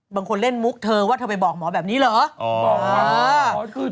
บางคนเล่นมุกเธอว่าเธอไปบอกหมอแบบนี้เหรอ